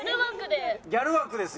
ギャル枠で。